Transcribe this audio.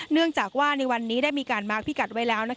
เนื่องจากว่าในวันนี้ได้มีการมาร์คพิกัดไว้แล้ว